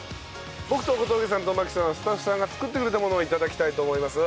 僕と小峠さんと麻紀さんはスタッフさんが作ってくれたものを頂きたいと思います。